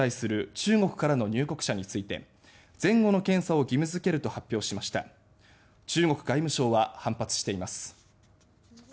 中国外務省は反発しています。